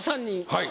はい。